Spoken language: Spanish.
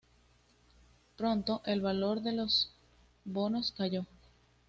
Pronto, el valor de los bonos cayó.